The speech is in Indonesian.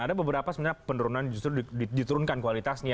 ada beberapa sebenarnya penurunan justru diturunkan kualitasnya